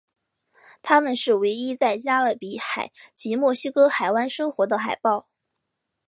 它们是唯一在加勒比海及墨西哥湾生活的海豹。